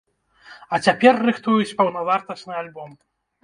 А цяпер рыхтуюць паўнавартасны альбом.